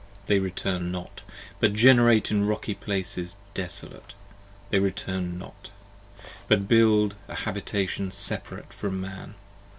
They return not: but generate in rocky places desolate. They return not: but build a habitation separate from Man.